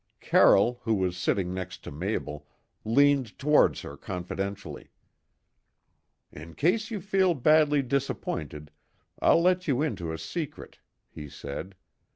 Carroll, who was sitting next to Mabel, leaned towards her confidentially. "In case you feel badly disappointed, I'll let you into a secret," he said.